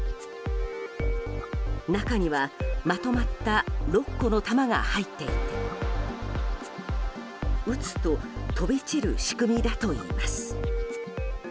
中には、まとまった６個の弾が入っていて撃つと飛び散る仕組みだといいます。